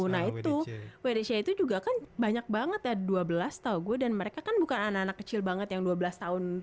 nah itu wdc itu juga kan banyak banget ya dua belas tau gue dan mereka kan bukan anak anak kecil banget yang dua belas tahun